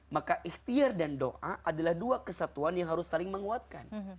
maka ikhtiar dan doa adalah dua kesatuan yang harus saling menguatkan